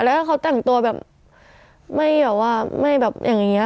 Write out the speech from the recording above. แล้วเขาแต่งตัวแบบไม่แบบว่าไม่แบบอย่างนี้